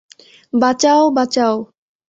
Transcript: বাঁচাও, বাঁচাও!